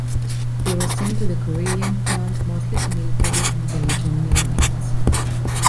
They were sent to the Karelian front, mostly to military intelligence units.